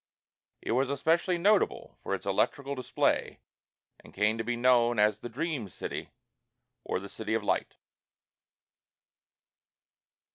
It was especially notable for its electrical display and came to be known as "The Dream City," or "The City of Light."